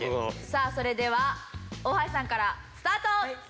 さあそれでは大橋さんからスタート！